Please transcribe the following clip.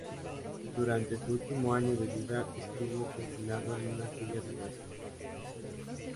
Durante su último año de vida estuvo confinado en una silla de ruedas.